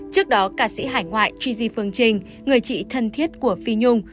trước đó ca sĩ hải ngoại gigi phương trinh người chị thân thiết của phi nhung